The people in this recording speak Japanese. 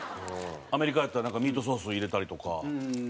アメリカやったらなんかミートソース入れたりとか。